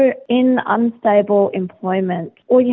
jika anda dalam pekerjaan yang tidak stabil